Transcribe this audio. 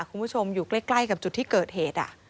คุณผู้ชมอยู่ใกล้กับจุดที่เกิดเหตุ